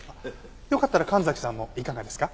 よかったら神崎さんもいかがですか？